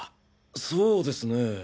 そうですねえ